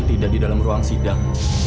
tidak di dalam ruang sidang